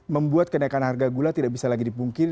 membuat kenaikan harga gula tidak bisa lagi dipungkiri